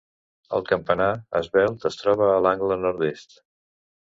El campanar, esvelt, es troba a l'angle nord-est.